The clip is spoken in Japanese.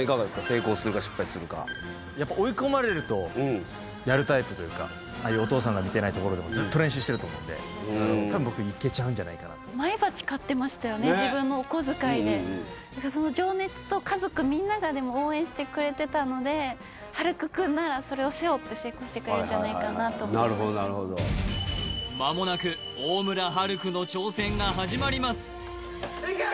成功するか失敗するかああいうお父さんが見てない所でもずっと練習してると思うんで多分僕いけちゃうんじゃないかなと自分のお小遣いでだからその情熱と家族みんなが応援してくれてたので晴空くんならそれを背負って成功してくれるんじゃないかなと思います間もなく大村晴空の挑戦が始まりますいけ！